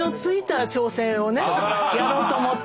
やろうと思って。